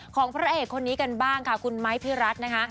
ของพระเอกคนนี้กันบ้างค่ะคุณไม้พี่รัฐนะคะ